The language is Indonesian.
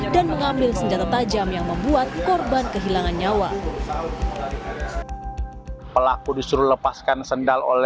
dan mengambil senjata tajam yang membuat korban kehilangan nyawa pelaku disuruh lepaskan sendal